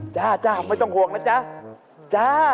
จ้าไม่ต้องห่วงนะจ้า